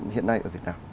hiện nay ở việt nam